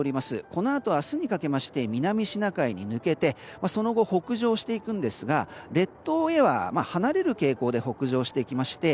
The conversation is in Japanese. このあと、明日にかけまして南シナ海に抜けてその後、北上していくんですが列島へは離れる傾向で北上していきまして